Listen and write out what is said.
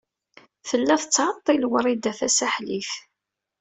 Tella tettɛeṭṭil Wrida Tasaḥlit.